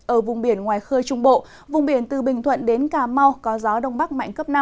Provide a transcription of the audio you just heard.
ở vùng biển ngoài khơi trung bộ vùng biển từ bình thuận đến cà mau có gió đông bắc mạnh cấp năm